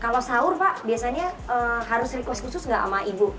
kalau sahur pak biasanya harus request khusus nggak sama ibu